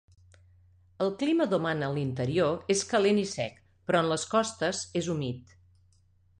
El clima d'Oman a l'interior és calent i sec, però en les costes és humit.